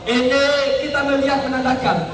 ini kita melihat menandakan